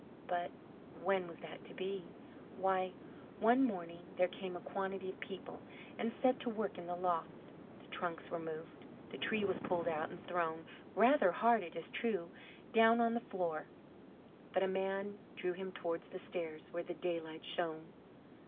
But when was that to be? Why, one morning there came a quantity of people and set to work in the loft. The trunks were moved, the Tree was pulled out and thrown rather hard, it is true down on the floor, but a man drew him toward the stairs, where the daylight shone.